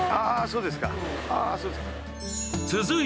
そうですか